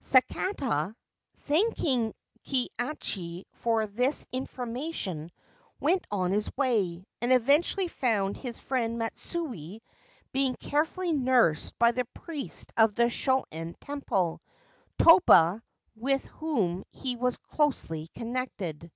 Sakata, thanking Kihachi for this information, went on his way, and eventually found his friend Matsui being carefully nursed by the priest of the Shonen Temple, Toba, with whom he was closely connected.